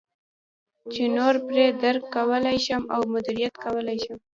چې نور پرې درک کولای او مدیریت کولای شي.